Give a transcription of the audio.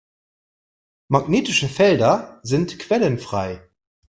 Magnetische Felder sind quellenfrei.